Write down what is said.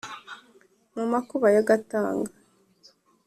Mu makuba ya Gatanga